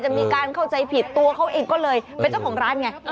มีการเข้าใจผิดตัวเขาเองก็เลยเป็นเจ้าของร้านไง